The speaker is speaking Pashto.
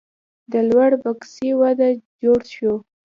د لور بسکي وادۀ جوړ شو